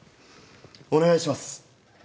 お願いします！